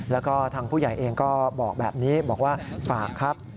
แล้วก็ทางผู้ใหญ่เองก็บอกแบบนี้บอกว่าฝากครับ